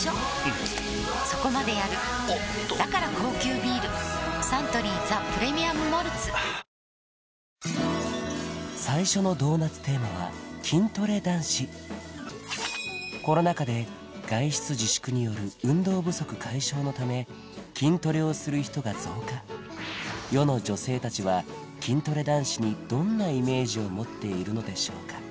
うんそこまでやるおっとだから高級ビールサントリー「ザ・プレミアム・モルツ」はぁー最初のコロナ禍で外出自粛による運動不足解消のため筋トレをする人が増加世の女性達は筋トレ男子にどんなイメージを持っているのでしょうか？